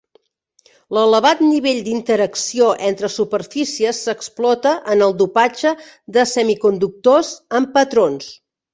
L'elevat nivell d'interacció entre superfícies s'explota en el dopatge de semiconductors amb patrons.